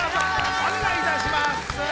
お願いいたします。